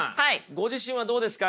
ご自身はどうですか？